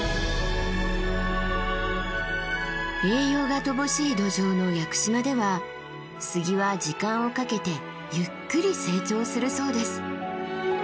栄養が乏しい土壌の屋久島では杉は時間をかけてゆっくり成長するそうです。